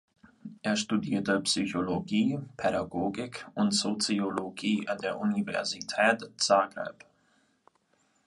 Er studierte Psychologie, Pädagogik und Soziologie an der Universität Zagreb.